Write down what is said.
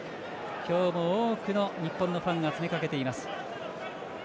今日も多くの日本のファンが詰めかけています。